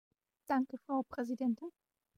Danke, Frau Präsidentin!